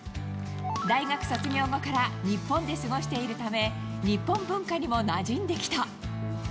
大学卒業後から日本で過ごしているため、日本文化にもなじんできた。